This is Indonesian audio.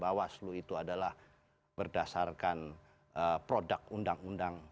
bawah seluruh itu adalah berdasarkan produk undang undang